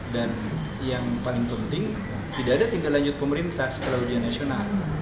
dan yang paling penting tidak ada tingkat lanjut pemerintah setelah ujian nasional